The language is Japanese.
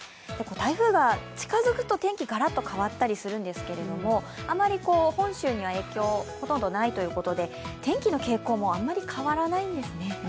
台風が近づくと天気、ガラッと変わったりするんですけどあまり本州には影響がほとんどないということで天気の傾向もあんまり変わらないんですね。